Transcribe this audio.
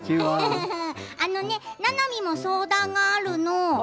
ななみも相談があるの。